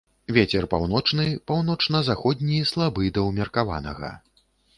Вецер паўночны, паўночна-заходні слабы да умеркаванага.